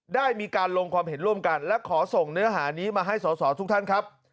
ได้มีการลงความเห็นร่วมกันและขอส่งเนื้อหานี้มาให้สอสอทุกท่านครับ